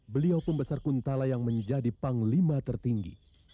beliau pembesar kuntala yang menjadi panglima tertinggi